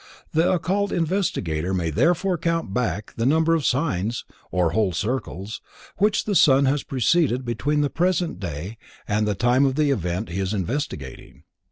The occult investigator may therefore count back the number of signs, or whole circles, which the sun has preceded between the present day and the time of the event he is investigating.